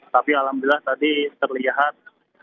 tapi alhamdulillah tadi terlihat